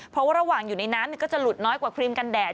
เพราะว่าระหว่างอยู่ในน้ำก็จะหลุดน้อยกว่าครีมกันแดด